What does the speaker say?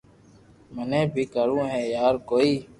مني بي ڪروو ھي يار ڪوئي